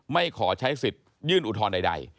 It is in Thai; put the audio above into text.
ไม่ขอใช้สิทธิ์ยื่นอุทธรณ์ใด